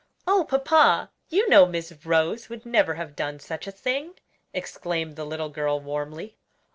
"Oh, papa, you know Miss Rose would never have done such a thing!" exclaimed the little girl warmly.